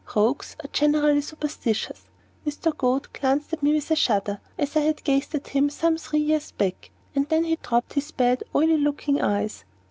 Rogues are generally superstitious. Mr. Goad glanced at me with a shudder, as I had gazed at him some three years back; and then he dropped his bad, oily looking eyes.